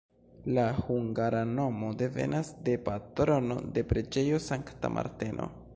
La hungara nomo devenas de patrono de preĝejo Sankta Marteno.